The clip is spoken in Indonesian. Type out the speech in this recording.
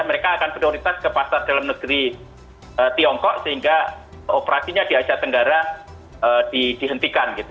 mereka akan prioritas ke pasar dalam negeri tiongkok sehingga operasinya di asia tenggara dihentikan gitu